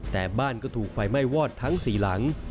แต่บ้านก็ถูกไฟไหม้วอดทั้ง๔หลัง